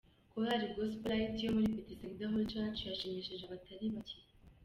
Korali Gospel Light yo muri Bethesda Holy church yashimishije abatari bacye.